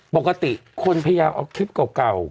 ปกติคนพยายามเอาคลิปเก่า